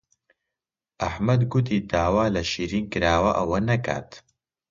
ئەحمەد گوتی داوا لە شیرین کراوە ئەوە نەکات.